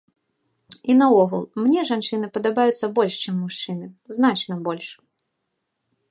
І наогул мне жанчыны падабаюцца больш чым мужчыны, значна больш.